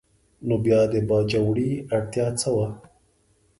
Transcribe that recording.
نو بیا د باجوړي اړتیا څه وه؟